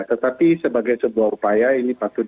tetapi sebagai sebuah upaya ini patut